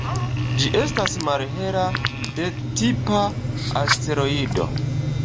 Ĝi estas malhela D-tipa asteroido.